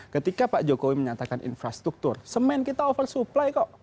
ketika pak jokowi menyatakan infrastruktur semen kita oversupply kok